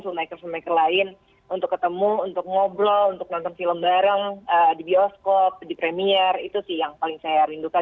filmmaker smaker lain untuk ketemu untuk ngobrol untuk nonton film bareng di bioskop di premier itu sih yang paling saya rindukan